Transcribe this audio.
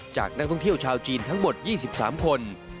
จากนักท่องเที่ยวชาวจีนทั้งหมด๒๓คน